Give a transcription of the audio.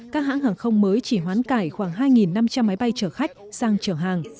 các hãng hàng không mới chỉ hoán cải khoảng hai năm trăm linh máy bay chở khách sang chở hàng